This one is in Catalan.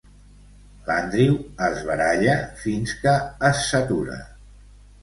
L'Andrew es baralla fins que es satura.